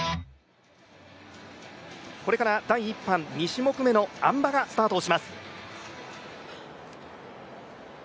これから第１班、２種目めのあん馬がスタートします。